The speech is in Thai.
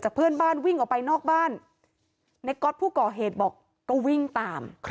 เพื่อนบ้านวิ่งออกไปนอกบ้านในก๊อตผู้ก่อเหตุบอกก็วิ่งตาม